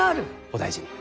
お大事に。